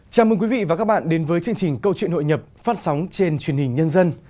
chào mừng quý vị và các bạn đến với chương trình câu chuyện hội nhập phát sóng trên truyền hình nhân dân